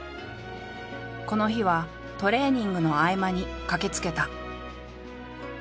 この日はトレーニングの合間に駆けつけた。